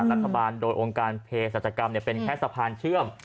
รัฐบาลโดยองค์การเพศรัชกรรมเป็นแค่สะพานเชื่อม